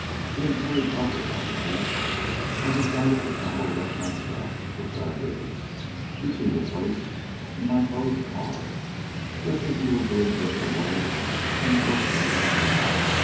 Being truly puzzled by the case, I decided to follow it up myself, which I did, reaching the place in my closed car just as you were being driven away on the book laden truck.